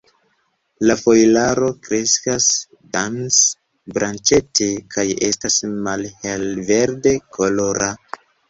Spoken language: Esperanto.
La foliaro kreskas dens-branĉete, kaj estas malhel-verde kolora.